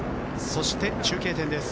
そして中継点です。